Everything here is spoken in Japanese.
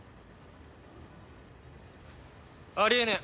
あり得ねえ。